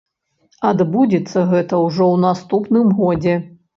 Адбудзецца гэта ўжо ў наступным годзе.